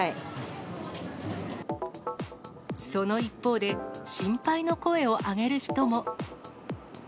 その一方で、心配の声を上げる人も。